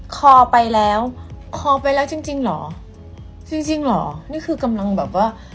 คอไปแล้วคอไปแล้วจริงจริงเหรอจริงจริงเหรอนี่คือกำลังแบบว่า